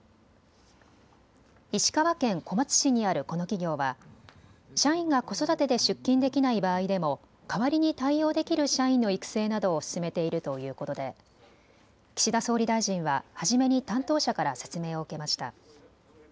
石川県小松市にあるこの企業は社員が子育てで出勤できない場合でも代わりに対応できる社員の育成などを進めているということで岸田総理大臣は初めに担当者から説明を受けました。